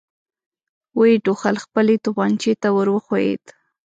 ويې ټوخل، خپلې توپانچې ته ور وښويېد.